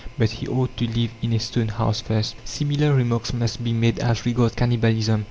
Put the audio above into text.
But he ought to live in a stone house first. Similar remarks must be made as regards cannibalism.